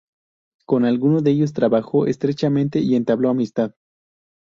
Con algunos de ellos trabajó estrechamente y entabló amistad.